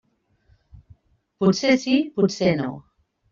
Potser sí, potser no.